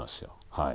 はい。